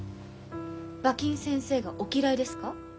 馬琴先生がお嫌いですか？